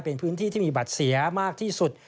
เป็นพื้นที่ที่มีบัตรเสียมากที่สุด